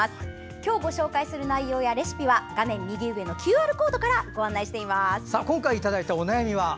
今日、ご紹介する内容やレシピは画面右上のＱＲコードから今回いただいたお悩みは？